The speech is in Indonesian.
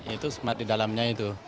itu smart di dalamnya itu